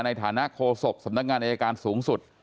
ในฐานะโคศกสำนักงานอายการสูงสุด